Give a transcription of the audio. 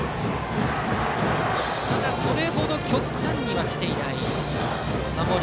ただそれほど極端には来ていない守る